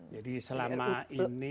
jadi selama ini